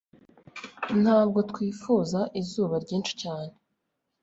Ntabwo twifuza izuba ryinshi cyane,